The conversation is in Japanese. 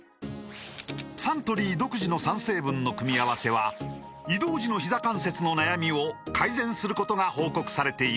サントリー独自の３成分の組み合わせは移動時のひざ関節の悩みを改善することが報告されています